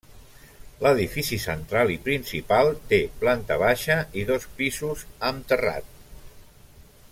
L'edifici central i principal té planta baixa i dos pisos, amb terrat.